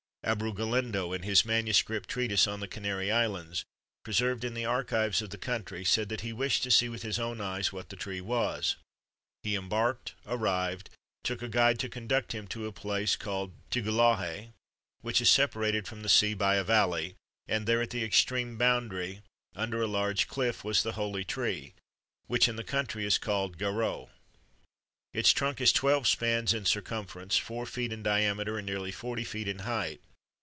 Abreu Galindo, in his manuscript treatise on the Canary Islands, preserved in the archives of the country, says that he wished to see with his own eyes what the tree was. He embarked, arrived, took a guide to conduct him to a place called Tigulahe, which is separated from the sea by a valley, and there, at the extreme boundary, under a large cliff, was the holy tree, which in the country is called Garoë. Its trunk is twelve spans in circumference, four feet in diameter, and nearly forty feet in height.